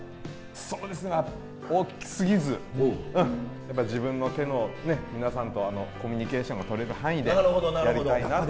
そうですね大きすぎず自分の手の皆さんとコミュニケーションがとれる範囲でやりたいなと。